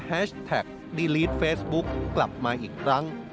แท็กดีลีทเฟซบุ๊กกลับมาอีกครั้ง